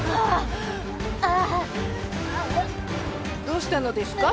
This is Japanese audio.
どうしたのですか！？